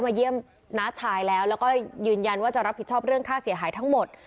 เยี่ยมน้าชายแล้วแล้วก็ยืนยันว่าจะรับผิดชอบเรื่องค่าเสียหายทั้งหมด